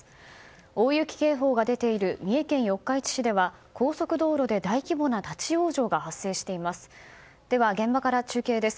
大雪警報が出ている三重県四日市市では高速道路で大規模な立ち往生が発生しています。